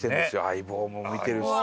『相棒』も見てるし。